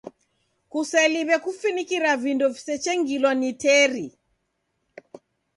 Kuseliw'e kufinikira vindo visechengilwa ni teri.